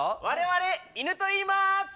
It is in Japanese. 我々いぬといいます。